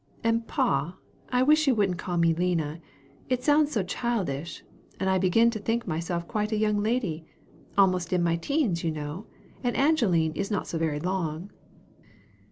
And, pa, I wish you wouldn't call me Lina it sounds so childish, and I begin to think myself quite a young lady almost in my teens, you know; and Angeline is not so very long."